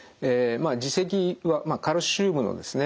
耳石はカルシウムのですね